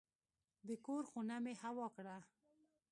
د کور خونه مې هوا کړه.